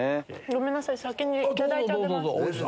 ごめんなさい先にいただいちゃってます。